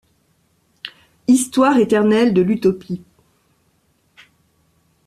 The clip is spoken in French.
Histoire éternelle de l’utopie